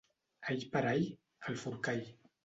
All per all... al Forcall.